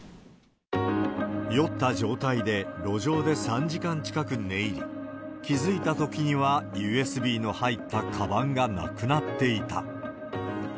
酔った状態で路上で３時間近く寝入り、気付いたときにはＵＳＢの入ったかばんがなくなっていた。